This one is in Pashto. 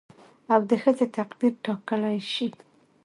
او د ښځې تقدير ټاکلى شي